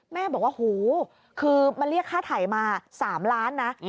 แม่บอกว่าหูคือมันเรียกค่าไถมา๓ล้านนะ